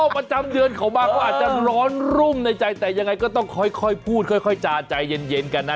ประจำเดือนเขามาเขาอาจจะร้อนรุ่มในใจแต่ยังไงก็ต้องค่อยพูดค่อยจาใจเย็นกันนะ